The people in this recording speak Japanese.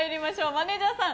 マネジャーさん